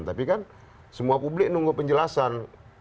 tapi kan semua publik nunggu penjelasan